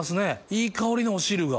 いい香りのお汁が。